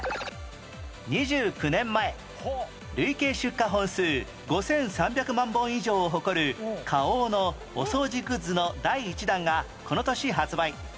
２９年前累計出荷本数５３００万本以上を誇る花王のお掃除グッズの第１弾がこの年発売